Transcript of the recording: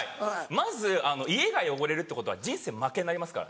まず家が汚れるってことは人生負けになりますから。